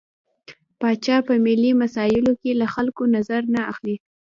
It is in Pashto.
پاچا په ملي مسايلو کې له خلکو نظر نه اخلي.